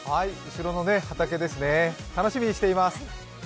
後ろの畑ですね、楽しみにしています。